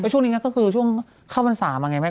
ช่วงนี้ก็คือช่วงเข้าวัน๓อ่ะไง